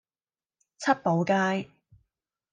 七寶街